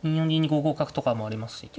銀に５五角とかもありますし。